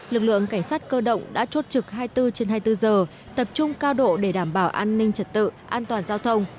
lực lượng cảnh sát cơ động đã chốt trực hai mươi bốn trên hai mươi bốn giờ tập trung cao độ để đảm bảo an ninh trật tự an toàn giao thông